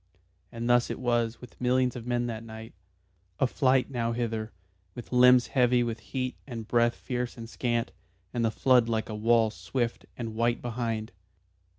And thus it was with millions of men that night a flight nowhither, with limbs heavy with heat and breath fierce and scant, and the flood like a wall swift and white behind.